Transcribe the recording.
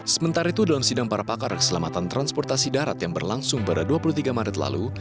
sementara itu dalam sidang para pakar keselamatan transportasi darat yang berlangsung pada dua puluh tiga maret lalu